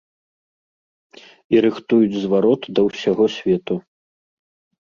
І рыхтуюць зварот да ўсяго свету.